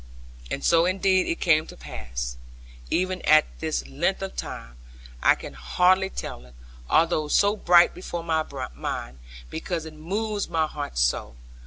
And so indeed it came to pass. Even at this length of time, I can hardly tell it, although so bright before my mind, because it moves my heart so.